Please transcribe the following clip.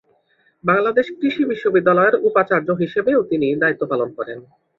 বাংলাদেশ কৃষি বিশ্ববিদ্যালয়ের উপাচার্য হিসেবেও দায়িত্ব পালন করেন।